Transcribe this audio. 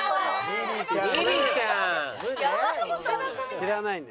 知らないんだね。